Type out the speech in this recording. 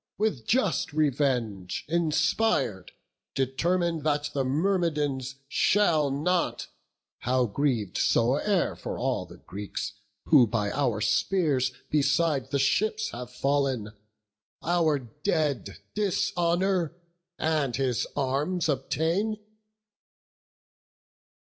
with just revenge Inspir'd, determine that the Myrmidons Shall not, how griev'd soe'er for all the Greeks Who by our spears beside the ships have fall'n, Our dead dishonour, and his arms obtain."